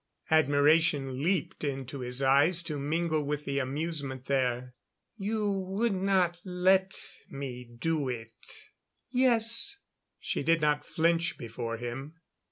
Admiration leaped into his eyes to mingle with the amusement there. "You would tell me not to do it?" "Yes." She did not flinch before him.